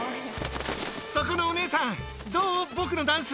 そこのお姉さん。